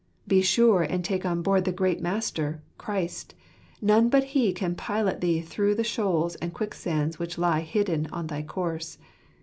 Be sure and take on board the great Master, Christ : none but He can pilot thee through the shoals and quicksands which lie hidden on thy course.